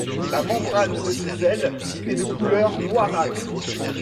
La membrane de ses ailes est de couleur noirâtre.